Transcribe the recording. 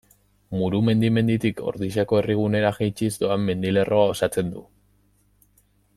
Murumendi menditik Ordiziako herrigunera jaitsiz doan mendilerroa osatzen du.